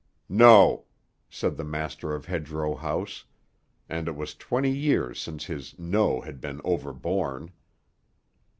"No," said the master of Hedgerow House; and it was twenty years since his "no" had been overborne.